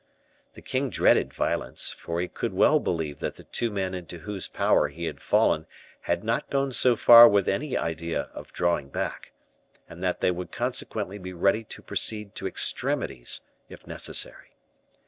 The king dreaded violence, for he could well believe that the two men into whose power he had fallen had not gone so far with any idea of drawing back, and that they would consequently be ready to proceed to extremities, if necessary.